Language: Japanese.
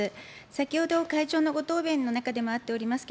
先ほど、会長のご答弁の中でもあっております